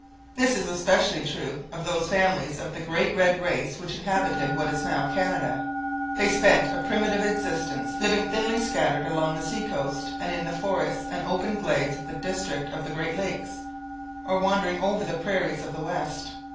This is especially true of those families of the great red race which inhabited what is now Canada. They spent a primitive existence, living thinly scattered along the sea coast, and in the forests and open glades of the district of the Great Lakes, or wandering over the prairies of the west.